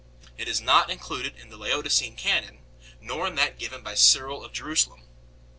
It is not included in the Laodicene canon, nor in that given by Cyril of Jerusalem 3